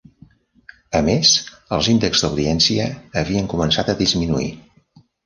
A més, els índexs d'audiència havien començat a disminuir.